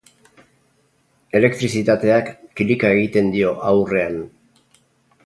Elektrizitateak kilika egiten dio ahurrean.